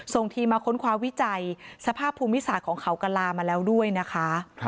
ส่งทีมมาค้นคว้าวิจัยสภาพภูมิศาสตร์ของเขากระลามาแล้วด้วยนะคะ